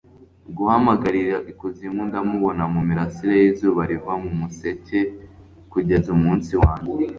guhamagarira ikuzimu. ndamubona mu mirasire y'izuba riva mu museke kugeza umunsi wanjye